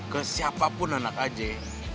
ke siapapun anak aja